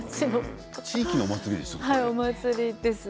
地域のお祭りでしょう？